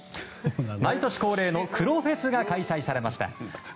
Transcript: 毎年恒例の「黒フェス」が開催されました。